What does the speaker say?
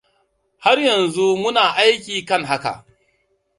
Har yanzu muna aiki kan haka.